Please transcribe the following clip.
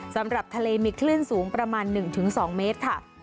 สำหรับทะเลมีคลื่นสูงประมาณหนึ่งถึงสองเมตติค่ะ